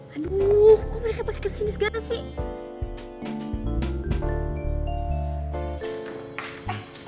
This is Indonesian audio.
aduh kok mereka pakai kesini segala sih